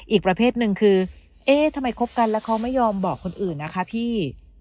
อีกประเภทหนึ่งคือเอ๊ะทำไมคบกันแล้วเขาไม่ยอมบอกคนอื่นนะคะพี่